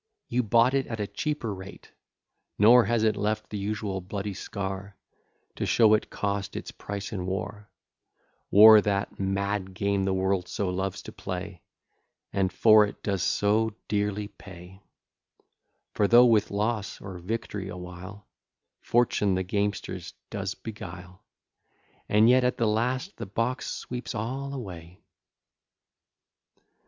You bought it at a cheaper rate; Nor has it left the usual bloody scar, To show it cost its price in war; War, that mad game the world so loves to play, And for it does so dearly pay; For, though with loss, or victory, a while Fortune the gamesters does beguile, Yet at the last the box sweeps all away.